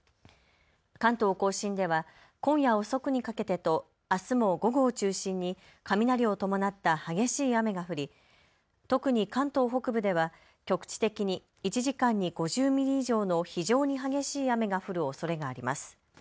関東甲信では今夜遅くにかけてと、あすも午後を中心に雷を伴った激しい雨が降り、特に関東北部では局地的に１時間に５０ミリ以上の非常に激しい雨が降るおそれがあります。